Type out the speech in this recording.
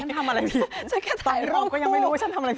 ฉันทำอะไรผิดต่อเมื่อกรูปก็ยังไม่รู้ว่าชั้นทำอะไรผิด